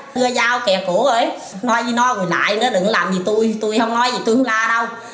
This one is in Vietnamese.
thưa giao kẻ cổ rồi nói với nó gọi lại nữa đừng có làm gì tôi tôi không nói gì tôi không la đâu